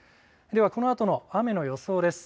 では、このあとの雨の予想です。